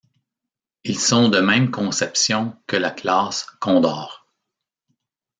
Ils sont de même conception que la classe Condor.